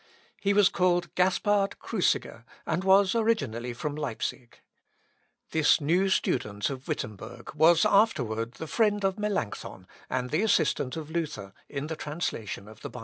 He was called Gaspard Cruciger, and was originally from Leipsic. This new student of Wittemberg was afterwards the friend of Melancthon, and the assistant of Luther in the translation of the Bible.